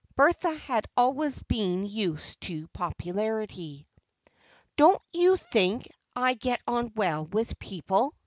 Bertha had always been used to popularity. "Don't you think I get on well with people?"